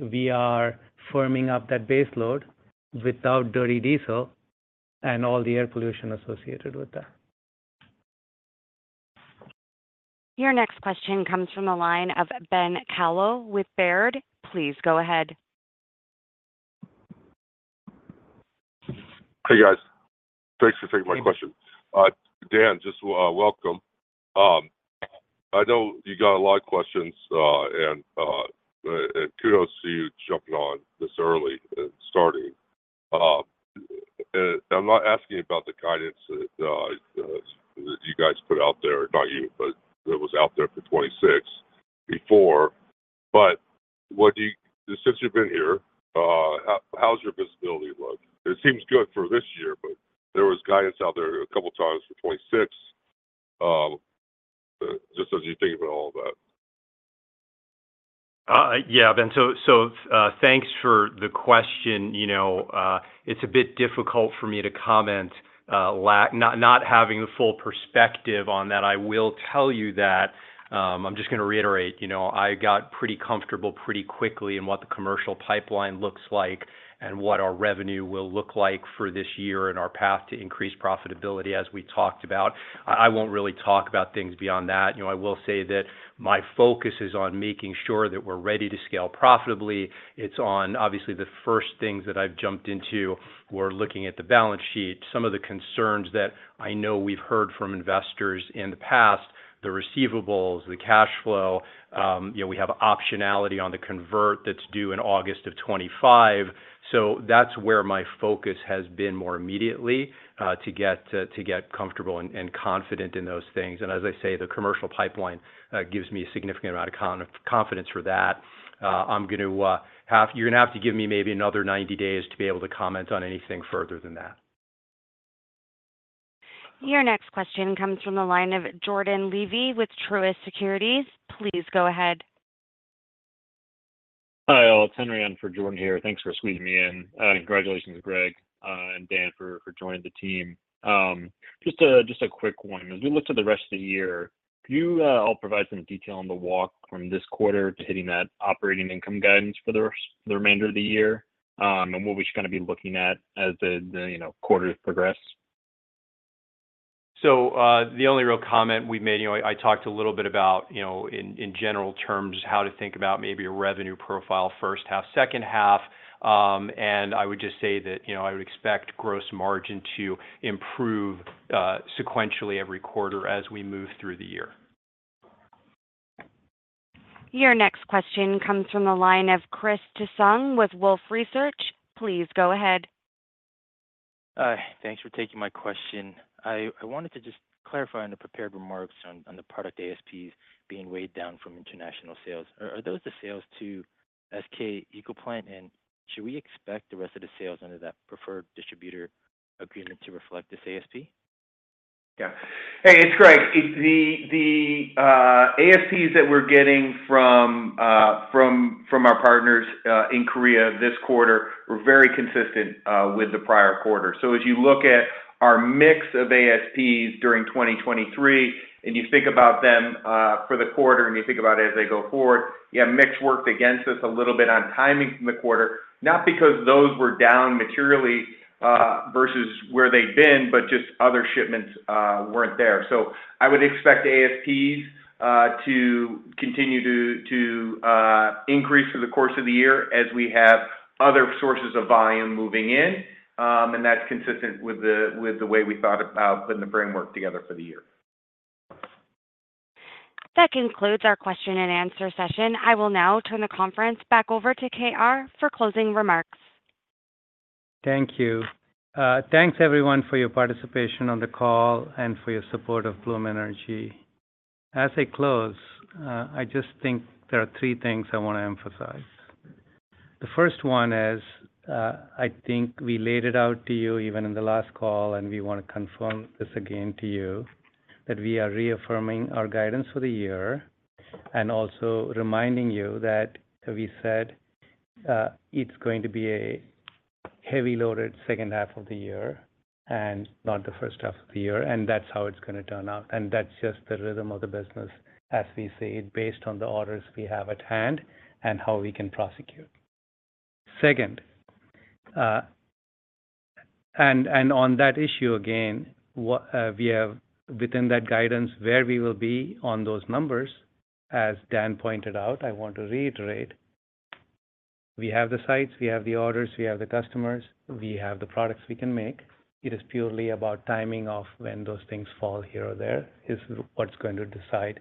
S3: We are firming up that baseload without dirty diesel and all the air pollution associated with that.
S1: Your next question comes from the line of Ben Kallo with Baird. Please go ahead.
S14: Hey, guys. Thanks for taking my question. Dan, just welcome. I know you got a lot of questions. And kudos to you jumping on this early and starting. I'm not asking about the guidance that you guys put out there, not you, but that was out there for 2026 before. But since you've been here, how's your visibility looking? It seems good for this year, but there was guidance out there a couple of times for 2026. Just as you think about all of that.
S5: Yeah, Ben. So thanks for the question. It's a bit difficult for me to comment, not having the full perspective on that. I will tell you that I'm just going to reiterate. I got pretty comfortable pretty quickly in what the commercial pipeline looks like and what our revenue will look like for this year and our path to increase profitability, as we talked about. I won't really talk about things beyond that. I will say that my focus is on making sure that we're ready to scale profitably. It's on, obviously, the first things that I've jumped into. We're looking at the balance sheet, some of the concerns that I know we've heard from investors in the past, the receivables, the cash flow. We have optionality on the convert that's due in August of 2025. That's where my focus has been more immediately to get comfortable and confident in those things. As I say, the commercial pipeline gives me a significant amount of confidence for that. You're going to have to give me maybe another 90 days to be able to comment on anything further than that.
S1: Your next question comes from the line of Jordan Levy with Truist Securities. Please go ahead.
S15: Hi, all. It's Henry in for Jordan here. Thanks for squeezing me in. Congratulations, Greg and Dan, for joining the team. Just a quick one. As we look to the rest of the year, could you all provide some detail on the walk from this quarter to hitting that operating income guidance for the remainder of the year and what we should kind of be looking at as the quarters progress?
S5: The only real comment we've made, I talked a little bit about, in general terms, how to think about maybe a revenue profile first half, second half. I would just say that I would expect gross margin to improve sequentially every quarter as we move through the year.
S1: Your next question comes from the line of Chris Tseng with Wolfe Research. Please go ahead.
S16: Thanks for taking my question. I wanted to just clarify in the prepared remarks on the product ASPs being weighed down from international sales. Are those the sales to SK Ecoplant? And should we expect the rest of the sales under that preferred distributor agreement to reflect this ASP?
S4: Yeah. Hey, it's Greg. The ASPs that we're getting from our partners in Korea this quarter were very consistent with the prior quarter. So as you look at our mix of ASPs during 2023 and you think about them for the quarter and you think about it as they go forward, you have mix worked against us a little bit on timing from the quarter, not because those were down materially versus where they'd been, but just other shipments weren't there. So I would expect ASPs to continue to increase through the course of the year as we have other sources of volume moving in. And that's consistent with the way we thought about putting the framework together for the year.
S1: That concludes our question-and-answer session. I will now turn the conference back over to K.R. for closing remarks.
S3: Thank you. Thanks, everyone, for your participation on the call and for your support of Bloom Energy. As I close, I just think there are three things I want to emphasize. The first one is, I think we laid it out to you even in the last call, and we want to confirm this again to you, that we are reaffirming our guidance for the year and also reminding you that we said it's going to be a heavy-loaded second half of the year and not the first half of the year. That's how it's going to turn out. That's just the rhythm of the business, as we say, based on the orders we have at hand and how we can prosecute. Second, and on that issue again, within that guidance, where we will be on those numbers, as Dan pointed out, I want to reiterate, we have the sites. We have the orders. We have the customers. We have the products we can make. It is purely about timing of when those things fall here or there is what's going to decide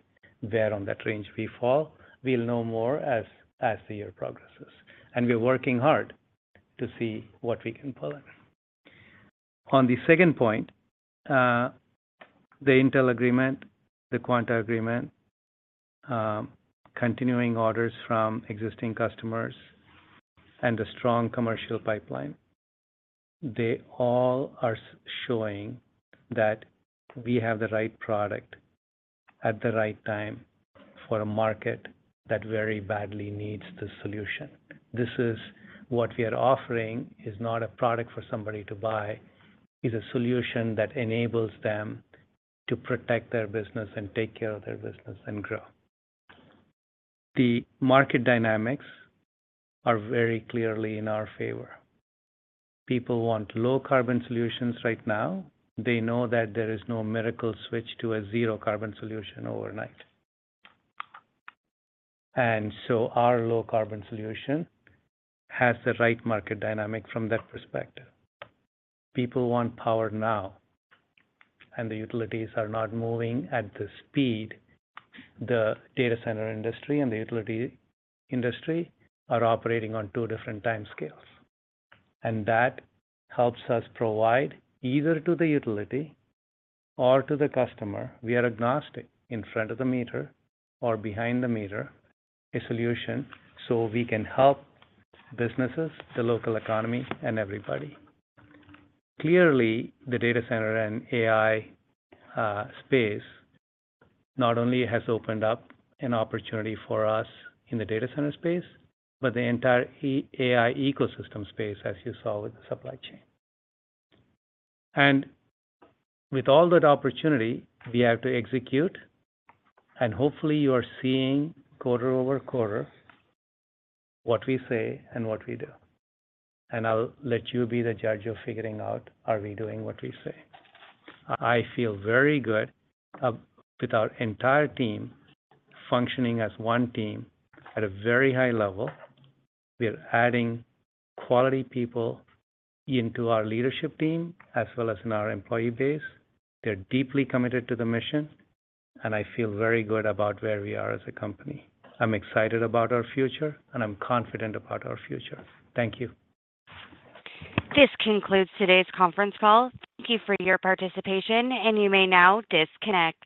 S3: where on that range we fall. We'll know more as the year progresses. And we're working hard to see what we can pull in. On the second point, the Intel agreement, the Quanta agreement, continuing orders from existing customers, and the strong commercial pipeline, they all are showing that we have the right product at the right time for a market that very badly needs the solution. This is what we are offering is not a product for somebody to buy. It's a solution that enables them to protect their business and take care of their business and grow. The market dynamics are very clearly in our favor. People want low-carbon solutions right now. They know that there is no miracle switch to a zero-carbon solution overnight. And so our low-carbon solution has the right market dynamic from that perspective. People want power now. And the utilities are not moving at the speed the data center industry and the utility industry are operating on two different timescales. And that helps us provide either to the utility or to the customer. We are agnostic, in front of the meter or behind the meter, a solution so we can help businesses, the local economy, and everybody. Clearly, the data center and AI space not only has opened up an opportunity for us in the data center space, but the entire AI ecosystem space, as you saw with the supply chain. And with all that opportunity, we have to execute. And hopefully, you are seeing quarter-over-quarter what we say and what we do. And I'll let you be the judge of figuring out, are we doing what we say? I feel very good with our entire team functioning as one team at a very high level. We are adding quality people into our leadership team as well as in our employee base. They're deeply committed to the mission. And I feel very good about where we are as a company. I'm excited about our future, and I'm confident about our future. Thank you.
S1: This concludes today's conference call. Thank you for your participation. You may now disconnect.